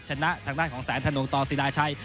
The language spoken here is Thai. ชนะทางด้านของแสนธนงต่อศิราชัย